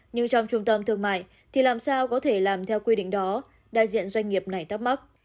nhưng trong trung tâm thương mại thì làm sao có thể làm theo quy định đó đại diện doanh nghiệp này thắc mắc